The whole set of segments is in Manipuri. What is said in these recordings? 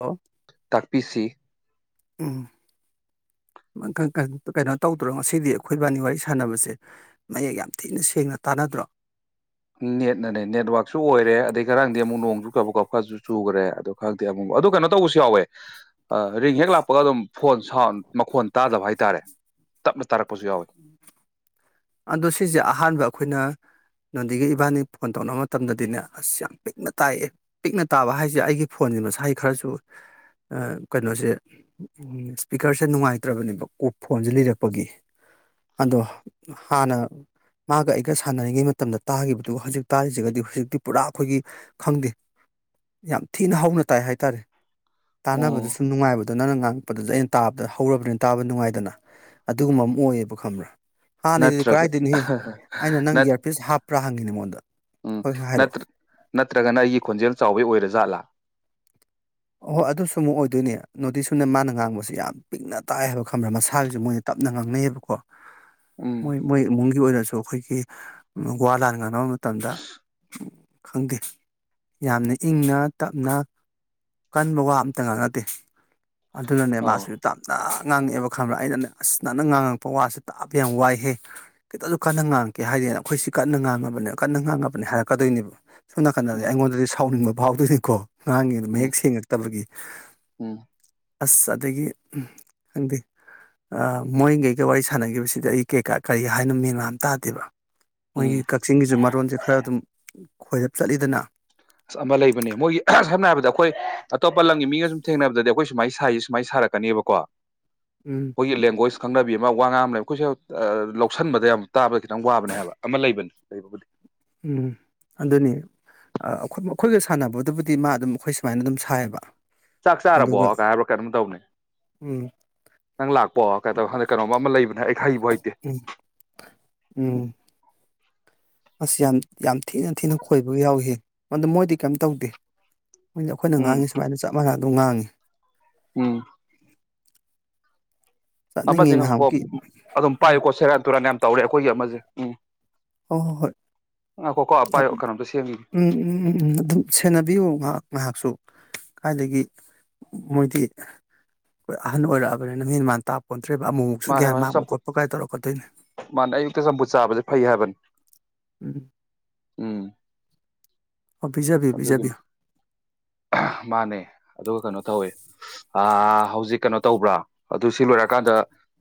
ꯍꯥ ꯇꯥꯛꯄꯤꯁꯤ ꯎꯝ ꯀꯩꯅꯣ ꯇꯧꯗ꯭ꯔꯣ ꯉꯁꯤꯗꯤ ꯑꯩꯈꯣꯏ ꯏꯕꯥꯅꯤ ꯋꯥꯔꯤ ꯁꯥꯟꯅꯕꯁꯦ ꯃꯌꯦꯛ ꯌꯥꯝ ꯊꯤꯅ ꯁꯦꯡꯅ ꯇꯥꯟꯅꯗ꯭ꯔꯣ ꯅꯦꯠꯅꯅꯦ ꯅꯦꯠꯋꯥꯛꯁꯨ ꯑꯣꯏꯔꯦ ꯑꯗꯩ ꯈꯔꯥꯡꯗꯤ ꯑꯃꯨꯛ ꯅꯣꯡꯁꯨ ꯀꯕ ꯀꯈꯁꯨ ꯆꯨꯈ꯭ꯔꯦ ꯑꯗꯨ ꯈꯪꯗꯦ ꯑꯃꯨꯛ ꯑꯗꯨ ꯀꯩꯅꯣ ꯇꯧꯕꯁꯨ ꯌꯥꯎꯋꯦ ꯔꯤꯡ ꯍꯦꯛ ꯂꯥꯛꯄꯒ ꯑꯗꯨꯝ ꯐꯣꯟ ꯁꯥꯎꯟ ꯃꯈꯣꯟ ꯇꯥꯗꯕ ꯍꯥꯏꯇꯥꯔꯦ ꯇꯞꯅ ꯇꯥꯔꯛꯄ ꯄꯨꯁꯨ ꯌꯥꯎꯋꯏ ꯑꯗꯣ ꯁꯤꯁꯦ ꯑꯍꯥꯟꯕ ꯑꯩꯈꯣꯏꯅ ꯅꯣꯗꯤꯒꯤ ꯏꯕꯥꯅꯤ ꯐꯣꯟ ꯇꯧꯅꯕ ꯃꯇꯝꯗꯗꯤꯅꯦ ꯑꯁ ꯌꯥꯝ ꯄꯤꯛꯅ ꯇꯥꯛꯑꯦ ꯄꯤꯛꯅ ꯇꯥꯕ ꯍꯥꯏꯁꯦ ꯑꯩꯒꯤ ꯐꯣꯟꯁꯦ ꯃꯁꯥꯏ ꯈꯔꯁꯨ ꯀꯩꯅꯣꯁꯦ ꯏꯁꯄꯤꯀꯔꯁꯦ ꯅꯨꯡꯉꯥꯏꯇ꯭ꯔꯕꯅꯦꯕ ꯀ ꯐꯣꯟꯁꯦ ꯂꯤꯔꯛꯄꯒꯤ ꯑꯗꯣ ꯍꯥꯟꯅ ꯃꯥꯒ ꯑꯩꯒ ꯁꯥꯟꯅꯔꯤꯉꯩ ꯃꯇꯝꯗ ꯇꯥꯈꯤꯕꯗꯨ ꯍꯧꯖꯤꯛ ꯇꯥꯔꯤꯁꯤꯒꯗꯤ ꯍꯧꯖꯤꯛꯇꯤ ꯄꯨꯔꯥ ꯑꯩꯈꯣꯏꯒꯤ ꯈꯪꯗꯦ ꯌꯥꯝ ꯊꯤꯅ ꯍꯧꯅ ꯇꯥꯏ ꯍꯥꯏ ꯇꯔꯦ ꯇꯥꯟꯅꯕꯗ ꯑꯣ ꯁꯨꯝ ꯅꯨꯡꯉꯥꯏꯕꯗꯨ ꯑꯗꯣ ꯅꯪꯅ ꯉꯥꯡꯉꯛꯄꯗꯁꯨ ꯑꯩꯅ ꯇꯥꯕꯗ ꯍꯧꯔꯕꯅꯤꯅ ꯇꯥꯕ ꯅꯨꯡꯉꯥꯏꯗꯅ ꯑꯗꯨꯒꯨꯝꯕ ꯑꯃ ꯑꯣꯏꯌꯦꯕ ꯈꯪꯕ꯭ꯔꯥ ꯍꯥꯟꯅꯩꯗꯨꯗꯤ ꯅꯠꯇ꯭ꯔꯒ ꯀꯗꯥꯏꯗꯩꯅꯣꯍꯦ ꯑꯩꯅ [unintelligible] ꯅꯪ ꯅꯠ ꯏꯌꯥꯔꯄꯤꯁ ꯍꯥꯞꯄ꯭ꯔꯥ ꯍꯪꯉꯤꯅꯦ ꯃꯉꯣꯟꯗ ꯎꯝ ꯍꯣꯏ ꯍꯣꯏ ꯍꯥꯏꯔꯛꯑꯣ ꯅꯠꯇ ꯅꯠꯇ꯭ꯔꯒꯅ ꯑꯩꯒꯤ ꯈꯣꯟꯖꯦꯜ ꯆꯥꯎꯕꯩ ꯑꯣꯏꯔꯖꯥꯠꯂꯥ ꯑꯍꯣꯏ ꯑꯗꯨꯁꯨ ꯑꯃꯨꯛ ꯑꯣꯏꯗꯣꯏꯅꯦ ꯅꯣꯗꯤ ꯁꯨꯅꯦ ꯃꯥꯅ ꯉꯥꯡꯕꯁꯤ ꯌꯥꯝ ꯄꯤꯛꯅ ꯇꯥꯏ ꯍꯥꯏꯕ ꯈꯪꯕ꯭ꯔꯥ ꯃꯁꯥꯒꯤꯁꯨ ꯃꯣꯏꯅ ꯇꯞꯅ ꯉꯥꯡꯅꯩꯌꯦꯕꯀꯣ ꯎꯝ ꯃꯣꯏ ꯃꯣꯏ ꯏꯃꯨꯡ ꯒꯤ ꯑꯣꯏꯅꯁꯨ ꯑꯩꯈꯣꯏꯒꯤ ꯋꯥ ꯂꯥꯟ ꯉꯥꯡꯅꯕ ꯃꯇꯝꯗ ꯈꯪꯗꯦ ꯌꯥꯝꯅ ꯏꯪꯅ ꯇꯞꯅ ꯀꯟꯕ ꯋꯥ ꯑꯝꯇ ꯉꯥꯡꯅꯗꯦ ꯑꯗꯨꯅꯅꯦ ꯑ ꯃꯥꯁꯨ ꯇꯥꯞꯅ ꯉꯥꯡꯉꯛꯑꯦꯕ ꯈꯪꯕ꯭ꯔꯥ ꯑꯩꯅꯅꯦ ꯑꯁ ꯅꯅꯥꯟꯅ ꯉꯥꯡꯉꯛꯄ ꯋꯥꯁꯦ ꯇꯥꯕ ꯌꯥꯝ ꯋꯥꯏꯍꯦ ꯈꯤꯇꯁꯨ ꯀꯟꯅ ꯉꯥꯡꯉꯛꯀꯦ ꯍꯥꯏꯗꯅ ꯑꯩꯈꯣꯏꯁꯤ ꯀꯟꯅ ꯉꯥꯡꯉꯕꯅꯦ ꯀꯟꯅ ꯉꯥꯡꯉꯕꯅꯦ ꯍꯥꯏꯔꯛꯀꯗꯣꯏꯅꯦꯕ ꯁꯣꯟ ꯅꯀꯟꯗꯗꯤ ꯎꯝ ꯑꯩꯉꯣꯟꯗꯗꯤ ꯁꯥꯎꯅꯤꯡꯕ ꯐꯥꯎꯗꫭꯏꯅꯤꯀꫭ ꯉꯡꯉꯤꯕ ꯎꯝ ꯃꯌꯣꯛ ꯇꯕꯒꯤ ꯎꯝ ꯑꯁ ꯑꯗꯒꯤ ꯈꯪꯗꯦ ꯃꯣꯏꯒꯩꯒ ꯋꯥꯔꯤ ꯁꯥꯟꯅꯈꯤꯕꯁꯤꯗ ꯑꯩ ꯀꯩꯀꯥ ꯀꯔꯤ ꯍꯥꯏꯅꯣ ꯃꯦꯟ ꯃꯥꯟ ꯑꯝ ꯇꯥꯗꯦꯕ ꯃꯣꯏꯒꯤ ꯎꯝ ꯀꯛꯆꯤꯡꯒꯤꯁꯨ ꯃꯔꯣꯟꯜꯁꯦ ꯈꯔ ꯑꯗꯨꯝ ꯈꯣꯏꯔꯞ ꯆꯠꯂꯤꯗꯅ ꯑꯃ ꯂꯩꯕꯅꯦ ꯃꯣꯏꯒꯤ ꯁꯝꯅ ꯍꯥꯏꯔꯕꯗ ꯑꯩꯈꯣꯏ ꯑꯇꯣꯞꯄ ꯂꯝꯒꯤ ꯃꯤꯒ ꯁꯨꯝ ꯊꯦꯡꯅꯕꯗꯗꯤ ꯑꯩꯈꯣꯏ ꯁꯨꯃꯥꯏꯅ ꯁꯥꯏꯁꯦ ꯁꯨꯃꯥꯏꯅ ꯁꯥꯔꯛꯀꯅꯦꯕꯀꯣ ꯎꯝ ꯑꯈꫭꯏꯒꯤ ꯂꯦꯡꯒꯣꯁ ꯈꯪꯅꯕꯤ ꯑꯃ ꯋꯥ ꯉꯥꯡ ꯑꯃ ꯂꯩꯕ ꯑꯩꯈꯣꯏꯁꯨꯦ ꯂꯧꯁꯤꯟꯕꯗ ꯌꯥꯝ ꯇꯥꯕꯗ ꯈꯤꯇꯪ ꯋꯥꯕꯅꯦ ꯍꯥꯏꯕ ꯑꯃ ꯂꯩꯕꯅꯦ ꯂꯩꯕꯕꯨꯗꯤ ꯎꯝ ꯑꯗꯨꯅꯤ ꯃꯈꯣꯏꯒ ꯁꯥꯟꯅꯕꯗꯨꯕꯨꯗꯤ ꯃꯥ ꯑꯗꯨꯝ ꯑꯩꯈꯣꯏ ꯁꯨꯃꯥꯏꯅ ꯑꯗꯨꯝ ꯁꯥꯏꯌꯦꯕ ꯆꯥꯛ ꯆꯥꯔꯕꯣ ꯑꯗꯨꯒ ꯀꯥꯏ ꯍꯥꯏꯕ꯭ꯔꯣ ꯀꯩꯅꯣꯝ ꯇꯧꯕꯅꯤ ꯎꯝ ꯅꯪ ꯂꯥꯛꯄꯣ ꯀꯥꯏꯗꯧ ꯍꯟꯗ ꯀꯩꯅꯣꯝ ꯑꯃ ꯂꯩꯕꯅꯦ ꯑꯩ ꯍꯩꯕꯨ ꯍꯩꯇꯦ ꯎꯝ ꯎꯝ ꯑꯁ ꯌꯥꯝ ꯌꯥꯝ ꯊꯤꯅ ꯊꯤꯅ ꯈꯣꯏꯕ ꯌꯥꯎꯏ ꯑꯗꯨꯗ ꯃꯣꯏꯗꯤ ꯀꯩꯝ ꯇꯧꯗꯦ ꯃꯣꯏ ꯑꯩꯈꯣꯏꯅ ꯎꯝ ꯉꯥꯡꯉꯦ ꯁꯃꯥꯏꯅ ꯆꯞꯥꯟꯅ ꯑꯗꯨꯝ ꯉꯥꯡꯉꯤ ꯎꯝ ꯆꯠꯅꯤꯡꯉꯤ ꯑꯃꯖꯦ ꯉꯥꯏꯍꯥꯃꯨꯛꯀꯤ ꯉꯥꯏꯈꫭꯀꫭ ꯑꯗꯨꯝ ꯎꯝ ꯄꯥꯏꯌꯨꯀꯣ ꯁꯦꯔꯥꯟ ꯇꯨꯔꯥꯟ ꯌꯥꯝ ꯇꯧꯔꯦ ꯑꯩꯈꯣꯏꯒꯤ ꯑꯃꯁꯦ ꯎꯝ ꯍꯣꯏ ꯍꯣꯏ ꯍꯣꯏ ꯉꯥꯏꯈꯣꯀꯣ ꯄꯥꯏꯌꯣ ꯀꯩꯅꯣꯝꯇ ꯁꯦꯝꯈꯤꯒꯦ ꯎꯝ ꯎꯝ ꯎꯝ ꯎꯝ ꯑꯗꯨꯝ ꯁꯦꯟꯅꯕꯤꯌꯨ ꯉꯥꯍꯥꯛ ꯉꯥꯍꯥꯛꯁꯨ ꯀꯥꯏꯗꯒꯤ ꯃꯣꯏꯗꯤ ꯑꯩꯈꯣꯏ ꯑꯍꯟ ꯑꯣꯏꯔꯛꯑꯕꯅꯤꯅ ꯃꯦꯟ ꯃꯥꯟ ꯇꯥꯄꫭꯟ ꯃꯥꯅꯦ ꯃꯥꯅꯦ ꯆꯝꯐꯨꯠ ꯃꯥꯅꯦ ꯑꯌꯨꯛꯇ ꯆꯝꯐꯨꯠ ꯆꯥꯕꯁꯦ ꯐꯩ ꯍꯥꯏꯕꯅꯤ ꯎꯝ ꯎꯝ꯫ ꯑꯣ ꯄꯕꯤꯖꯕꯤꯌꯨ - ꯑꯗꯨꯒꯤꯅꯤ ꯄꯕꯤꯖꯕꯤꯌꯨ꯫ ꯃꯥꯅꯦ ꯑꯗꯨꯒ ꯀꯩꯅꯣ ꯇꯧꯋꯦ ꯍꯧꯖꯤꯛ ꯀꯩꯅꯣ ꯇꯧꯕ꯭ꯔꯥ ꯑꯗꯨ ꯁꯤ ꯂꯣꯏꯔꯀꯥꯟꯗ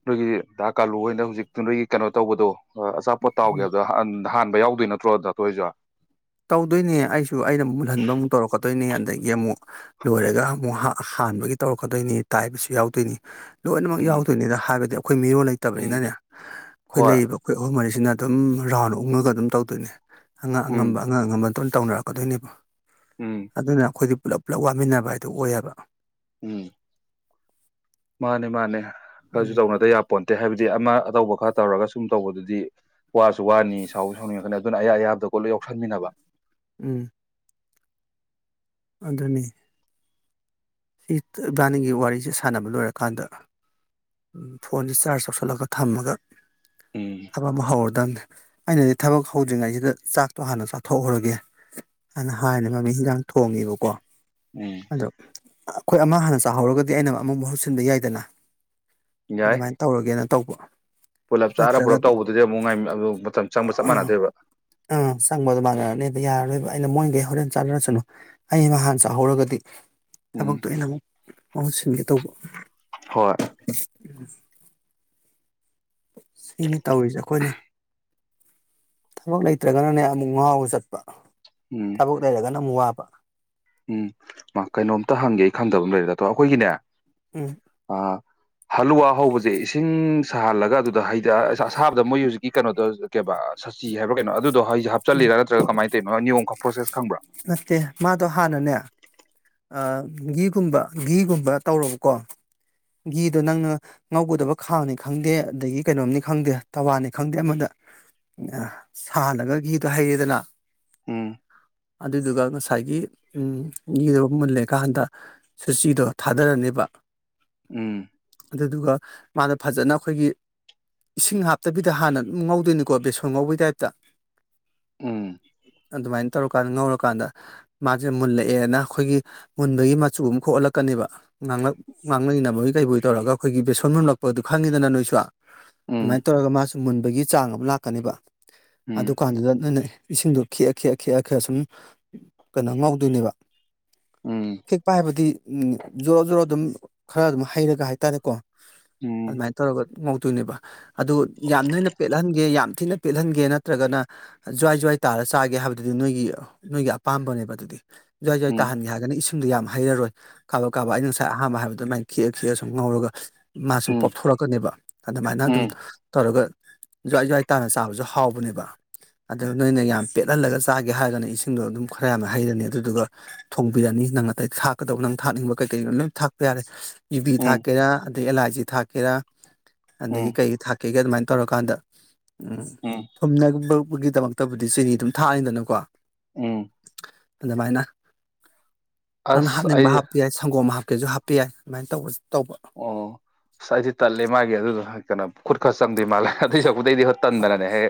ꯅꯣꯏꯒꯤ ꯗꯥ ꯀꯥꯂꯨ ꯑꯣꯏꯅ ꯍꯧꯖꯤꯛꯇ ꯅꯣꯏꯒꯤ ꯀꯩꯅꯣ ꯇꯧꯕꯗꯣ ꯍ ꯑꯆꯥꯄꯣꯠ ꯇꯥꯎꯒꯦꯕ ꯅꯍꯥꯟ ꯄꯥ ꯌꯥꯎꯗꯣꯏ ꯅꯠꯇ꯭ꯔꯣ ꯈꯣꯏꯖꯨ? ꯇꯧꯗꯣꯏꯅꯦ ꯑꯩꯁꯨ ꯑꯩꯅ ꯑꯃꯨꯛ ꯃꯨꯜꯍꯟꯕ ꯑꯃꯨꯛ ꯇꯧꯔꯛꯀꯗꯣꯏꯅꯤ ꯑꯗꯒꯤ ꯑꯃꯨꯛ ꯂꯣꯏꯔꯒ ꯑꯃꯨꯛ ꯍꯥꯟꯕꯒꯤ ꯇꯧꯔꯛꯀꯗꯣꯏꯅꯤ ꯇꯥꯏꯕꯁꯨ ꯌꯥꯎꯗꯣꯏꯅꯤ ꯂꯣꯏꯅꯃꯛ ꯎꯝ ꯌꯥꯎꯗꯣꯏꯅꯤꯗ ꯍꯥꯏꯕꯗꯤ ꯑꯩꯈꯣꯏ ꯃꯤꯔꯣꯜ ꯎꯝ ꯂꯩꯇꯕꯅꯤꯅꯅꯦ ꯑꯩꯈꯣꯏ ꯍꯣꯏ ꯂꯩꯔꯤꯕ ꯑꯩꯈꯣꯏ ꯑꯍꯨꯝ ꯃꯔꯤ ꯁꯤꯅ ꯑꯗꯨꯝ ꯔꯥꯎꯟ ꯑꯣꯛꯉꯒ ꯑꯗꯨꯝ ꯇꯧꯗꯣꯏꯅꯦ꯫ ꯑꯉꯝ ꯎꯝ - ꯑꯉꯝꯕ꯫ [unintelligible] ꯇꯧꯅꯔꯛꯀꯗꯣꯏꯅꯦꯕ ꯎꯝ ꯑꯗꯨꯅꯈꯣꯏꯗꯤ ꯄꯨꯜꯂꯞ ꯄꯨꯜꯂꯞ ꯋꯥꯃꯤꯟꯅꯕ ꯍꯥꯏꯗꯣ ꯑꯣꯏꯌꯦꯕ꯫ ꯎꯝ꯫ ꯃꯥꯅꯦ ꯃꯥꯅꯦ꯫ ꯈꯔꯁꯨ ꯎꯝ ꯇꯧꯅꯗꯕ ꯌꯥꯄꯣꯟꯇꯦ ꯍꯥꯏꯕꯗꯤ ꯑꯃ ꯑꯇꯧꯕ ꯈꯔ ꯇꯧꯔꯒ ꯁꯨꯝ ꯇꯧꯕꯗꯨꯗꯤ ꯋꯥꯁꯨ ꯋꯥꯅꯤ ꯁꯥꯎꯖꯨ ꯁꯥꯎꯅꯤꯡꯉꯛꯀꯅꯤ ꯑꯗꯨꯅ ꯑꯌꯥ ꯑꯌꯥꯕꯗ ꯀꯣꯠꯂ ꯌꯥꯎꯁꯟꯃꯤꯟꯅꯕ꯫ ꯎꯝ꯫ ꯑꯗꯨꯅꯤ꯫ ꯁꯤ ꯏꯕꯥꯅꯤꯒꯤ ꯋꯥꯔꯤꯁꯦ ꯁꯥꯟꯅꯕ ꯂꯣꯏꯔꯀꯥꯟꯗ ꯐꯣꯟꯁꯦ ꯆꯥꯔꯖ ꯆꯥꯎꯧꯁꯤꯜꯂꯒ ꯊꯝꯃꯒ ꯎꯝ ꯊꯕꯛ ꯑꯃ ꯍꯧꯔꯗꯝꯕꯅꯤ ꯑꯩꯅꯗꯤ ꯊꯕꯛ ꯍꯧꯗ꯭ꯔꯤꯉꯩꯁꯤꯗ ꯆꯥꯛꯇꯣ ꯍꯥꯟꯅ ꯆꯥꯊꯣꯛꯎꯔꯒꯦ ꯍꯥꯏꯅ ꯍꯥꯏꯅ ꯃꯃꯤ ꯌꯦꯟꯖꯥꯡ ꯊꯣꯡꯉꯦꯕꯀꯣ ꯎꯝ ꯍꯜꯂꯣ ꯑꯩꯈꯣꯏ ꯑꯃ ꯍꯥꯟꯅ ꯆꯥꯍꯧꯔꯒꯗꯤ ꯑꯩꯅ ꯑꯃꯨꯛ ꯃꯍꯨꯠ ꯁꯤꯟꯕ ꯌꯥꯏꯗꯅ꯫ ꯌꯥꯏ ꯑꯗꯨꯃꯥꯏꯅ ꯇꯧꯔꯒꯦꯅ ꯇꯧꯕ ꯄꯨꯂꯞ ꯆꯥꯔ ꯄꯨꯜꯂꯞ ꯅꯠꯇ꯭ꯔꯒꯗꯤ ꯇꯧꯕꯗꯨꯗꯤ ꯑꯃꯨꯛ ꯉ ꯑꯗꯨ ꯃꯇꯝ ꯆꯪꯕ ꯆꯞ ꯑ ꯃꯥꯟꯅꯗꯦꯕ꯫ ꯑꯥ ꯆꯪꯕꯗꯣ ꯃꯥꯟꯅꯔꯅꯦꯕ ꯌꯥꯔꯔꯣꯏꯕ ꯑꯩꯅ ꯃꯣꯏꯒꯩ ꯍꯣꯔꯦꯟ ꯆꯥꯟꯅꯔꯁꯅꯨ ꯑꯩ ꯅꯍꯥꯟ ꯆꯥꯍꯧꯔꯒꯗꯤ ꯎꯝ ꯊꯕꯛꯇꯨꯏꯅ ꯑꯃꯨꯛ ꯃꯍꯨꯠ ꯁꯤꯟꯒꯦ ꯇꯧꯕ꯫ ꯍꯣꯏ꯫ ꯎꯝ ꯁꯤꯅꯤ ꯇꯧꯔꯤꯁꯦ ꯑꯩꯈꯣꯏꯅ꯫ ꯊꯕꯛ ꯂꯩꯇ꯭ꯔꯒꯅꯅꯦ ꯑꯃꯨꯛ ꯉꯥꯎꯔ ꯆꯠꯄ꯫ ꯎꯝ ꯊꯕꯛ ꯂꯩꯔꯒꯅ ꯑꯃꯨꯝꯛ ꯋꯥꯕ ꯎꯝ ꯃꯥ ꯀꯩꯅꯣꯝꯇ ꯍꯪꯒꯦ? ꯈꯪꯗꯕ ꯑꯃ ꯂꯩꯔꯦ ꯑꯣ ꯑꯩꯈꯣꯏꯒꯤꯅꯦ ꯎꯝ ꯑꯥ ꯍꯜꯂꯨꯋꯥ ꯍꯧꯕꯁꯦ ꯏꯁꯤꯡ ꯁꯥꯍꯜꯂꯒ ꯑꯗꯨꯗ ꯍꯩꯗ ꯑꯁꯥꯕꯗ ꯃꯣꯏ ꯍꯧꯖꯤꯛꯀꯤ ꯀꯩꯅꯣꯗ ꯀ ꯁꯆꯤ ꯍꯥꯏꯕ꯭ꯔꯥ ꯀꯩꯅꯣ ꯑꯗꯣ ꯍꯧꯁꯦ ꯎꯝ ꯍꯥꯞꯆꯤꯜꯂꯤꯔꯥ ꯅꯠꯇ꯭ꯔꯒ ꯀꯃꯥꯏꯅ ꯇꯧꯔꯤꯅꯣ ꯅꯤꯌꯣꯝ ꯄ꯭ꯔꯣꯁꯦꯁ ꯈꯪꯕ꯭ꯔꯥ ꯅꯠꯇꯦ ꯃꯥꯗꯣ ꯍꯥꯟꯅꯅꯦ ꯑ ꯘꯤꯒꯨꯝꯕ ꯘꯤꯒꯨꯝꯕ ꯇꯧꯔꯕꯀꯣ ꯘꯤꯗꯣ ꯅꯪꯅ ꯉꯧꯒꯗꯕ ꯈꯥꯡꯅꯤ ꯈꯪꯗꯦ ꯑꯗꯒꯤ ꯀꯩꯅꯣꯝꯅꯤ ꯈꯪꯗꯦ ꯇꯋꯥꯅꯤ ꯈꯪꯗꯦ ꯑꯃꯗ ꯁꯥꯜꯂꯒ ꯘꯤꯗꯣ ꯍꯩꯌꯦꯗꯅ ꯎꯝ ꯑꯗꯨꯗꯨꯒ ꯉꯁꯥꯏꯒꯤ ꯎꯝ ꯘꯤꯗꯨ ꯃꯨꯜꯂꯦꯀꯥꯟꯗ ꯁꯨꯆꯤꯗꯣ ꯊꯥꯗꯔꯅꯦꯕ ꯎꯝ ꯑꯗꯨꯗꯨꯒ ꯃꯥꯅ ꯐꯖꯅ ꯑꯩꯈꯣꯏꯒꯤ ꯏꯁꯤꯡ ꯍꯥꯞꯇꯕꯤꯗ ꯍꯥꯟꯅ ꯑꯗꯨꯝ ꯉꯧꯗꯣꯏꯅꯤꯀꯣ ꯕꯦꯁꯣꯟ ꯉꯧꯕꯒꯤ ꯇꯥꯏꯞꯇ ꯎꯝ ꯑꯗꯨꯃꯥꯏꯅ ꯇꯧꯔꯀꯥꯟꯗ ꯉꯧꯔꯀꯥꯟꯗ ꯃꯥꯁꯦ ꯃꯨꯜꯂꯛꯑꯦꯅ ꯑꯩꯈꯣꯏꯒꯤ ꯃꯨꯟꯕꯒꯤ ꯃꯆꯨ ꯑꯃ ꯈꯣꯍꯜꯂꯛꯀꯅꯦꯕ ꯉꯥꯡꯂꯛ ꯉꯥꯡꯅꯅꯕꯒꯤ ꯀꯩꯕꯒꯤ ꯇꯧꯔꯒ ꯑꯩꯈꯣꯏꯒꯤ ꯕꯦꯁꯣꯟ ꯃꯨꯨꯝꯂꯛꯄ ꯑꯗꯨ ꯈꯪꯉꯤꯗꯅ ꯅꯣꯏꯁꯨ ꯑꯗꯨꯃꯥꯏꯅ ꯎꯝ ꯇꯧꯔꯒ ꯃꯥꯁꯨ ꯃꯨꯟꯕꯒꯤ ꯆꯥꯡ ꯑꯃ ꯂꯥꯛꯀꯅꯦꯕ ꯎꯝ ꯑꯗꯨꯀꯥꯟꯗꯨꯗ ꯅꯅꯦ ꯏꯁꯤꯡꯗꯣ ꯈꯤꯦꯛꯑ ꯈꯦꯦꯛꯑ ꯈꯦꯦꯛꯑ ꯈꯦꯑ ꯁꯁꯨꯝ ꯀꯩꯅꯣ ꯉꯧꯗꯣꯏꯅꯦꯕ ꯎꯝ ꯦꯛꯄ ꯍꯥꯏꯕꯗꯤ ꯎ ꯖꯣꯔꯣ ꯖꯣꯔꯣ ꯑꯗꯨꯝ ꯈꯔ ꯑꯗꯨꯝ ꯍꯩꯔꯒ ꯍꯥꯏꯇꯥꯔꯦꯀꯣ ꯎꯝ ꯑꯗꯨꯃꯥꯏꯅ ꯇꯧꯔꯒ ꯉꯧꯗꯣꯏꯅꯦꯕ ꯑꯗꯨ ꯌꯥꯝ ꯅꯣꯏꯅ ꯄꯦꯜꯠꯍꯟꯒꯦ ꯌꯥꯝ ꯊꯤꯅ ꯄꯦꯠꯍꯟꯒꯦ ꯅꯠꯇ꯭ꯔꯒꯅ ꯖ꯭ꯋꯥꯏ ꯖ꯭ꯋꯥꯏ ꯇꯥꯔ ꯆꯥꯒꯦ ꯍꯥꯏꯕꯗꯨꯗꯤ ꯅꯣꯏꯒꯤ ꯅꯣꯏꯒꯤ ꯑꯄꯥꯝꯕꯅꯦꯕ ꯑꯗꯨꯗꯤ ꯖ꯭ꯋꯥꯏ ꯖ꯭ꯋꯥ ꯎꯝ ꯇꯥꯟꯒꯦ ꯍꯥꯏꯔꯒꯅ ꯏꯁꯤꯡꯗꯣ ꯌꯥꯝ ꯍꯩꯔꯔꯣꯏ ꯀꯥꯕ ꯀꯥꯕ ꯑꯩ ꯉꯁꯥꯏ ꯑꯍꯥꯟꯕ ꯍꯥꯏꯕꯗꯨ ꯃꯥꯏꯈ ꯈ ꯁꯉꯔꯒ ꯃꯥꯁꯨ ꯎꯝ ꯄꯣꯛꯊꯣꯔꯛꯀꯅꯦꯕ ꯑꯗꯨꯃꯥꯏꯅ ꯑꯗꯨꯝ ꯎꯝ ꯇꯧꯔꯒ ꯖ꯭ꯋꯥꯏ ꯖ꯭ꯋꯥꯏ ꯇꯥꯅ ꯆꯥꯕꯁꯨ ꯍꯥꯎꯕꯅꯦꯕ ꯑꯗꯨ ꯅꯣꯏꯅ ꯌꯥꯝ ꯄꯦꯠꯍꯜꯂꯒ ꯆꯥꯒꯦ ꯍꯥꯏꯔꯒꯅ ꯏꯁꯤꯡꯗꯣ ꯑꯗꯨꯝ ꯈꯔ ꯌꯥꯝꯅ ꯍꯩꯔꯅꯤ ꯑꯗꯨꯗꯨꯒ ꯊꯣꯡꯕꯤꯔꯅꯤ ꯅꯪ ꯑꯇꯩ ꯊꯥꯛꯀꯗꯧꯕ ꯅꯪ ꯊꯥꯛꯅꯤꯡꯕ ꯀꯩꯀꯩꯣ ꯂꯣꯏ ꯊꯥꯛ ꯌꯥꯔꯦ ꯌꯨꯕꯤ ꯎꯝ ꯊꯥꯛꯀꯦꯔꯥ ꯑꯗꯩ ꯑꯦꯂꯥꯏꯖꯤ ꯊꯥꯛꯀꯦꯔꯥ ꯑꯗꯒꯤ ꯎꯝ ꯀꯩ ꯊꯥꯛ ꯀꯩꯀꯩ ꯑꯗꯨꯃꯥꯏꯅ ꯇꯧꯔꯀꯥꯟꯗ ꯎꯝ ꯊꯨꯝꯅꯕꯒꯤꯗꯃꯛꯇꯕꯨꯗꯤ ꯆꯤꯅꯤ ꯑꯗꯨꯝ ꯊꯥꯅꯤꯗꯅꯀꯣ ꯎꯝ ꯑꯗꯨꯃꯥꯏꯅ ꯅꯪꯅ ꯑꯁ ꯑꯩ ꯍꯥꯞꯅꯤꯡꯕ ꯍꯥꯞꯄ ꯌꯥꯏ ꯁꯪꯒꯣꯝ ꯍꯥꯞꯄ ꯀꯁꯨꯣ ꯍꯥꯞ ꯄꯤ ꯌꯥꯏ ꯑꯗꯨꯃꯥꯏꯅ ꯇꯧꯕꯁꯦ ꯑꯣ ꯁꯁ ꯍꯥꯏꯗꯤ ꯇꯜꯂꯦ ꯃꯥꯒꯤ ꯑꯗꯨꯗ ꯍꯥꯏꯦ ꯀꯩꯅꯣ ꯈꯨꯠꯈꯥꯁ ꯆꯝꯗꯦ ꯃꯥꯂꯦ ꯑꯇꯩ ꯆ ꯎꯗꯩꯗꯤ ꯍ ꯇꯗꯅꯅꯦ ꯍꯦ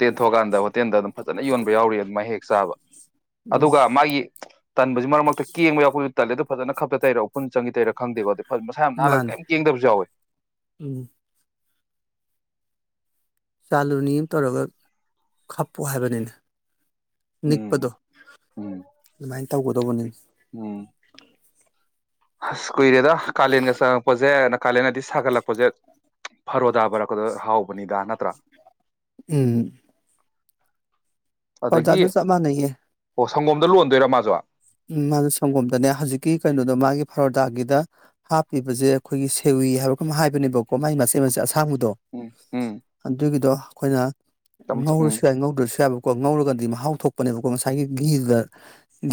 ꯇꯦꯟ ꯊꯣꯛꯀꯥꯟꯗ ꯍꯣꯇꯦꯟꯗ ꯑꯗꯨꯝ ꯐꯖꯅ ꯌꯣꯟꯕ ꯌꯥꯎꯔꯤ ꯑꯗꯨꯃꯥꯏ ꯍꯦꯛ ꯑꯦꯁꯕ ꯎꯝ ꯑꯗꯨꯒ ꯃꯥꯒꯤ ꯇꯟꯕꯁꯤ ꯃꯔꯛꯇ ꯀꯦꯡꯕ ꯌꯥꯎꯄꯗꯨꯗꯤ ꯇꯂꯦ ꯐꯖꯅ ꯈꯞꯇ ꯇꯩꯔ ꯎꯐꯟ ꯆꯪꯉ ꯇꯩꯔꯥ ꯈꯪꯗꯦꯣꯗꯤ ꯃꯁꯥ ꯌꯥꯝ ꯅꯥꯜꯂꯒ ꯃꯥꯅꯤ ꯀꯔꯤꯝ ꯌꯦꯡꯗꯕꯁꯨ ꯌꯥꯎꯋꯦ ꯎꯝ ꯆꯥꯂꯨꯅꯤ ꯑꯃ ꯇꯧꯔꯒ ꯈꯞꯄꯣ ꯍꯥꯏꯕꯅꯤꯅ ꯅꯤꯛꯄꯗꯣ ꯎꯝ ꯎꯝ ꯑꯗꯨꯃꯥꯏꯅ ꯇꯧꯒꯗꯧꯕꯅꯤꯅ ꯑ ꯀꯨꯏꯔꯦꯗ ꯀꯥꯂꯦꯟꯒ ꯆꯪꯉꯛꯄꯁꯦ ꯀꯥꯂꯦꯟꯒꯗꯤ ꯁꯥꯒꯠꯂꯛꯄꯁꯦ ꯐꯔꯣꯗꯥ ꯐꯔꯛꯄꯗ ꯍꯥꯎꯕꯅꯤꯗ ꯅꯠꯇ꯭ꯔꯥ ꯎꯝ ꯑꯗꯒꯤ ꯑꯣꯖꯥꯖꯁ ꯑꯃꯥꯅꯌꯦ ꯑꯣ ꯁꯪꯒꯣꯝꯗ ꯂꯣꯟꯗꯣꯏꯔꯥ ꯃꯥꯁꯨꯣ ꯎꯝ ꯃꯥꯗ ꯁꯪꯒꯣꯝꯗꯅꯦ ꯍꯧꯖꯤꯛꯀꯤ ꯀꯩꯅꯣꯗꯣ ꯃꯥꯒꯤ ꯐꯔꯣꯗꯥꯒꯤꯗ ꯍꯥꯞꯄꯤꯕꯁꯦ ꯑꯩꯈꯣꯏꯒꯤ ꯁꯦꯋꯤ ꯍꯥꯏꯕ ꯍꯥꯏꯕꯅꯦꯕꯀꯣ ꯃꯥꯒꯤ ꯃꯆꯦꯠ ꯃꯆꯦ ꯑꯁꯥꯡꯕꯗꯣ ꯎꯝ ꯎꯝ ꯑꯗꯨꯒꯤꯗꯣ ꯑꯩꯈꯣꯏꯅ ꯎꯝ ꯉꯧꯔꯁꯤ ꯉꯧꯗꯁꯤ ꯍꯥꯏꯕ ꯀꯣ ꯉꯧꯔꯒꯗꯤ ꯃꯍꯥꯎ ꯊꯣꯛꯄꯅꯦꯕꯀꯣ ꯉꯁꯥꯏꯒꯤ ꯘꯗ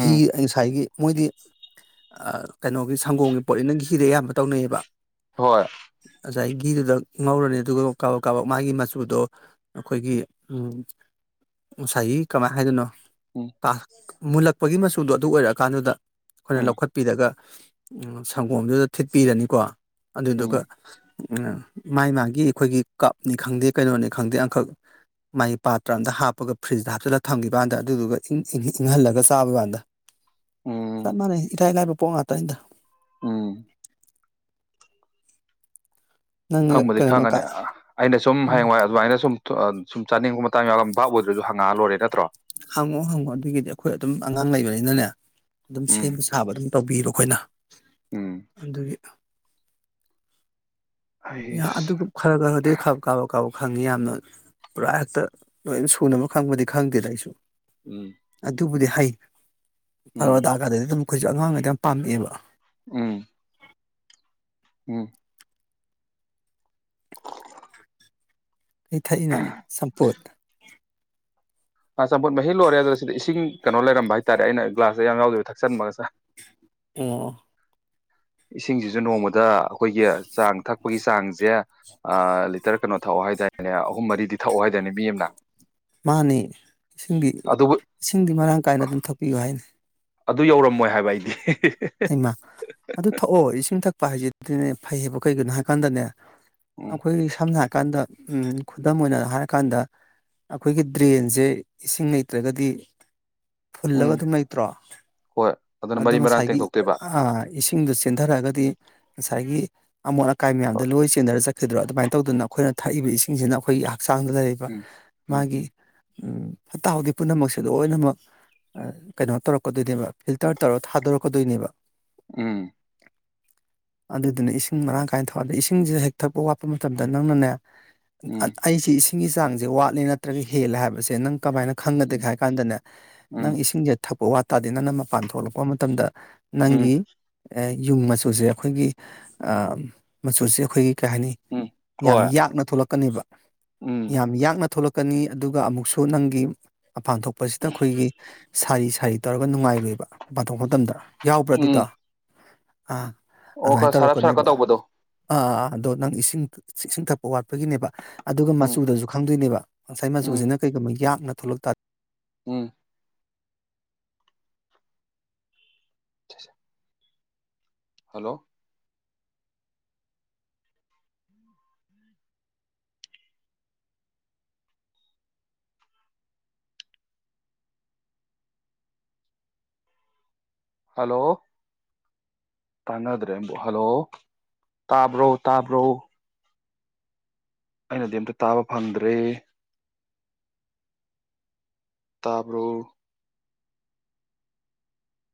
ꯒꯤ ꯎꯝ ꯑꯗꯒꯤ ꯃꯣꯏꯗꯤ ꯀꯩꯅꯣꯒꯤ ꯁꯪꯒꯣꯝꯒꯤ ꯄꯣꯠꯅꯤ ꯅꯪ ꯘꯤꯗ ꯑꯌꯥꯝꯕ ꯇꯧꯅꯩꯌꯦꯕ ꯍꯣꯏ ꯉꯁꯥꯏꯒꯤ ꯘꯤꯗꯨꯗ ꯉꯧꯔꯅꯤ ꯑꯗꯨꯒ ꯀꯥꯕ ꯀꯥꯕꯛ ꯃꯥꯒꯤ ꯃꯆꯨꯗꯣ ꯑꯩꯈꯣꯏꯒꯤ ꯉꯁꯥꯏꯒꯤ ꯀꯃꯥꯏꯅ ꯍꯥꯏꯗꯣꯏꯅꯣ ꯎꯝ ꯑ ꯃꯨꯜꯂꯛꯄꯒꯤ ꯃꯆ ꯁꯨꯗꯣ ꯑꯗꯨ ꯑꯣꯏꯔ ꯀꯥꯟꯗꯨꯗ ꯑꯩꯈꯣꯏꯅ ꯎꯝ ꯂꯧꯈꯠꯄꯤꯔꯒ ꯎ ꯁꯪꯒꯣꯝꯗꯨꯗ ꯊꯤꯠꯄꯤꯔꯅꯤꯀꯣ ꯑꯗꯨꯗꯨꯒ ꯎꯝ ꯃꯥꯏ ꯃꯥꯒꯤ ꯑꯩꯈꯣꯏꯒꯤ ꯀꯞꯅꯤ ꯈꯪꯗꯦ ꯀꯩꯅꯣꯅꯤ ꯈꯪꯗꯦ ꯑꯪꯈꯛ ꯃꯥꯒꯤ ꯄꯥꯇ꯭ꯔ ꯑꯝꯇ ꯍꯥꯞꯄꯒ ꯐ꯭ꯔꯤꯖꯇ ꯍꯥꯞꯆꯜꯂꯒ ꯊꯝꯈꯤꯕ ꯀꯥꯟꯗ ꯑꯗꯨꯗꯨꯒ ꯏꯪꯍꯜꯂꯒ ꯆꯥꯕ ꯀꯥꯟꯗ ꯎꯝ ꯆꯞ ꯃ ꯏꯇꯥꯏ ꯏ ꯂꯥꯏ ꯄꯣꯉꯇꯗ ꯎꯝ ꯅꯪꯅ ꯈꯪꯕꯨꯗꯤ ꯀꯩꯅꯣ ꯀꯥ ꯈꯪꯉꯅꯤ ꯑꯩꯅ ꯁꯨꯝ ꯎꯝ ꯍꯌꯦꯡꯋꯥꯏ ꯑꯗꯨꯃꯥꯏꯅ ꯁꯨꯝ ꯁꯨꯝ ꯆꯥꯅꯤꯡꯕ ꯃꯇꯥꯡ ꯌꯥꯝ ꯚꯕꯥꯞ ꯑꯣꯏꯗ꯭ꯔꯁꯨꯪꯉꯑ ꯂꯣꯏꯔꯦ ꯅꯠꯇ꯭ꯔꯣ ꯍꯪꯉꯣ ꯍꯪꯉꯣ ꯑꯗꯨꯒꯤꯗꯤ ꯑꯩꯈꯣꯏ ꯑꯗꯨꯝ ꯑꯉꯥꯡ ꯂꯩꯕꯅꯤꯅꯅꯦ ꯑꯗꯨꯝ ꯎꯝ ꯁꯦꯝꯕ ꯁꯥꯕ ꯑꯗꯨꯝ ꯇꯧꯕꯤꯔꯣ ꯑꯩꯈꯣꯏꯅ ꯎꯝ ꯑꯗꯨꯒꯤ ꯌꯥ ꯑꯗꯨ ꯑꯩꯁ ꯈꯔ ꯈꯔꯗꯤ ꯈ ꯀꯥꯎ ꯀꯥꯎ ꯈꯪꯉꯤ ꯌꯥꯝꯅ ꯄꯨꯔꯥ ꯍꯦꯛꯇ ꯂꯣꯏ ꯁꯨꯅꯕ ꯈꯪꯕꯗꯤ ꯈꯪꯗꯦꯗ ꯑꯩꯁꯨ ꯎꯝ ꯑꯗꯨꯕꯨꯗꯤ ꯍꯥꯏꯩ ꯄꯔꯋꯥꯗ ꯎꯝ ꯍꯥꯀꯗꯗꯤ ꯑꯩꯈꯣꯏꯁꯨ ꯑꯉꯥꯡꯉ ꯌꯥꯝ ꯄꯥꯝꯃꯛꯑꯕ ꯎꯝ ꯎꯝ ꯑꯩ ꯊꯥꯏꯅꯣ ꯁꯝꯄꯨꯗ ꯆꯝꯐꯨꯠ ꯃꯍꯤ ꯂꯣꯏꯔꯦ ꯑꯗꯨꯗ ꯁꯤꯗ ꯏꯁꯤꯡ ꯀꯩꯅꯣ ꯂꯩꯔꯝꯕ ꯍꯥꯏꯇꯥꯔꯦ ꯑꯩꯅ ꯒ꯭ꯂꯥꯁꯁ ꯌꯥꯝ ꯌꯥꯎꯗꯣꯏꯕ ꯊꯛꯆꯟꯕꯒꯁꯦ ꯑꯣ ꯏꯁꯤꯡꯁꯤꯁꯨ ꯅꯣꯡꯃꯗ ꯑꯩꯈꯣꯏꯒꯤ ꯆꯥꯡ ꯊꯛꯄꯒꯤ ꯆꯥꯡꯁꯦ ꯑ ꯂꯤꯇꯔ ꯀꯩꯅꯣ ꯊꯛꯑꯣ ꯍꯥꯏꯇꯥꯔꯦꯅꯦ ꯑꯍꯨꯝ ꯃꯔꯤꯗꯤ ꯊꯛꯑꯣ ꯍꯥꯏꯇꯥꯔꯅꯦ ꯃꯤ ꯑꯃꯅ ꯃꯥꯅꯤ ꯏꯁꯤꯡꯗꯤ ꯑꯗꯨꯕꯨ ꯏꯁꯤꯡꯗꯤ ꯃꯔꯥꯡ ꯀꯥꯏꯅ ꯑꯗꯨꯝ ꯊꯣꯛꯄꯤꯌꯨ ꯍꯥꯏꯅꯤ ꯑꯗꯨ ꯌꯧꯔꯝꯃꯣꯏ ꯍꯥꯏꯕ ꯑꯩꯗꯤ ꯍꯩꯃ ꯑꯗꯨ ꯊꯛꯑꯣ ꯏꯁꯤꯡ ꯊꯛꯄ ꯍꯥꯏꯁꯤꯅꯦ ꯐꯩꯌꯦꯕ ꯀꯩꯒꯤꯅꯣ ꯍꯥꯏ ꯀꯥꯟꯗꯅꯦ ꯎꯝ ꯑꯩꯈꯣꯏ ꯁꯝꯅ ꯀꯥꯟꯗ ꯈꯨꯗꯝ ꯑꯣꯏꯅ ꯍꯥꯏꯔꯀꯥꯟꯗ ꯑꯩꯈꯣꯏꯒꯤ ꯗ꯭ꯔꯦꯟꯁꯦ ꯏꯁꯤꯡ ꯂꯩꯇ꯭ꯔꯒꯗꯤ ꯐꯨꯜꯂꯒ ꯎꯝ ꯑꯗꯨꯝ ꯂꯩꯇ꯭ꯔꯣ ꯍꯣꯏ ꯑꯗꯨꯅ ꯑꯗꯣ ꯃꯔꯤ ꯃꯔꯥꯡ ꯉꯁꯥꯏꯒꯤ ꯇꯦꯡꯊꯣꯛꯇꯣꯏꯕ ꯑꯥ ꯏꯁꯤꯡꯗ ꯆ ꯆꯦꯟꯊꯔꯛꯑꯒꯗꯤ ꯉꯁꯥꯏꯒꯤ ꯑꯃꯣꯠ ꯑꯀꯥꯏ ꯃꯌꯥꯝꯗ ꯂꯣꯏ ꯆꯦꯟꯟꯅꯔ ꯆꯠꯈꯤꯗ꯭ꯔꯣ ꯑꯗꯨꯃꯥꯏꯅ ꯇꯧꯗꯅ ꯑꯩꯈꯣꯏꯅ ꯊꯛꯏꯕ ꯏꯁꯤꯡꯁꯤꯅ ꯑꯩꯈꯣꯏꯒꯤ ꯍꯛꯆꯥꯡꯗ ꯂꯩꯔꯤꯕ ꯎꯝ ꯎꯝ ꯃꯥꯒꯤ ꯐꯠꯇ ꯍꯥꯎꯊꯤ ꯄꯨꯝꯅꯃꯛꯁꯦ ꯂꯣꯏꯅꯃꯛ ꯀꯩꯅꯣ ꯇꯧꯔꯛꯀꯗꯣꯏꯅꯦꯕ ꯐꯤꯜꯇꯔ ꯇꯧꯔ ꯊꯥꯗꯣꯔꯛꯀꯗꯣꯏꯅꯦꯕ ꯎꯝ ꯑꯗꯨꯗꯨꯅ ꯏꯁꯤꯡ ꯃꯔꯥꯡ ꯀꯥꯏꯅ ꯊꯛꯗ ꯏꯁꯤꯡꯁꯤꯦ ꯍꯦꯛ ꯊꯛꯄ ꯋꯥꯠꯄ ꯃꯇꯝꯗ ꯅꯪꯅꯅꯦ ꯎꯝ ꯑꯩ ꯆꯁꯤ ꯏꯁꯤꯡꯒꯤꯒꯤ ꯆꯥꯡꯁꯦ ꯋꯥꯠꯂꯤ ꯅꯠꯇ꯭ꯔꯒ ꯍꯦꯜꯂꯦ ꯍꯥꯏꯕꯁꯦ ꯅꯪ ꯀꯃꯥꯏꯅ ꯈꯪꯒꯗꯒꯦ ꯎꯝ ꯍꯥꯏ ꯀꯥꯟꯗꯅꯦ ꯅꯪ ꯎꯝ ꯏꯁꯤꯡꯁꯦ ꯊꯛꯄ ꯋꯥꯠ ꯇꯥꯗꯅꯅ ꯃꯄꯥꯟ ꯊꯣꯛꯂꯛꯄ ꯃꯇꯝꯗ ꯎꯝ ꯅꯪꯒꯤꯤ ꯑꯦ ꯌꯨꯝ ꯃꯆꯨꯁꯦ ꯑꯩꯈꯣꯏꯒꯤ ꯃꯆꯨꯁꯦ ꯑꯩꯈꯣꯏꯒꯤ ꯀꯩ ꯍꯥꯏꯅꯤ ꯎꯝ ꯌꯥꯝ ꯍꯣꯏ ꯌꯥꯛꯅ ꯊꯣꯛꯂꯛꯄ ꯀꯅꯤꯕ ꯎꯝ ꯌꯥꯝ ꯌꯥꯡꯅ ꯊꯣꯛꯂꯛ ꯀꯅꯤ ꯑꯗꯨꯒ ꯑꯃꯨꯛꯁꯨ ꯅꯪꯒꯤ ꯑꯄꯥꯟ ꯊꯣꯛꯄꯁꯤꯗ ꯑꯩꯈꯣꯏꯒꯤ ꯁꯥꯔꯤ ꯁꯥꯔꯤ ꯇꯧꯔꯒ ꯅꯨꯡꯉꯥꯏꯔꯣꯏꯕ ꯄꯥꯊꯣꯛ ꯃꯇꯝꯗ ꯌꯥꯎꯕ꯭ꯔꯥ ꯎꯝ ꯑꯗꯨꯗꯣ? ꯑꯥ ꯑꯣ ꯈ ꯑꯗꯨꯃꯥꯏꯅ ꯁꯔꯞ ꯁꯔꯞ ꯀ ꯇꯧꯔꯛꯀꯅꯦꯕ ꯇꯕꯗꯣ꯫ ꯑꯥ ꯑꯗꯣ ꯅꯪ ꯏꯁꯤꯡ ꯏꯁꯤꯡ ꯊꯛꯄ ꯋꯥꯠꯄꯒꯤꯅꯦꯕ ꯑꯗꯨꯒ ꯎꯝ ꯃꯆꯨꯗꯁꯨ ꯈꯪꯗꯣꯏꯅꯦꯕ ꯉꯁꯥꯏ ꯎꯝ ꯃꯆꯨꯁꯤꯅ ꯀꯩꯒꯨꯝꯕ ꯌꯥꯛꯅ ꯊꯣꯛꯂꯛ ꯇꯥ ꯎꯝ꯫ [inaudible] ꯍꯜꯂꯣ! ꯍꯜꯂꯣ! ꯇꯥꯟꯅꯗ꯭ꯔꯦꯕꯨ ꯍꯜꯂꯣ! ꯇꯥꯕ꯭ꯔꯣ ꯇꯥꯕ꯭ꯔꯣ? ꯑꯩꯅꯗꯤ ꯑꯝꯇ ꯇꯥꯕ ꯐꯪꯗ꯭ꯔꯦ꯫ ꯇꯥꯕꯔꯣ?